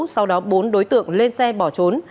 sau đó bốn đối tượng lên xe bỏ trốn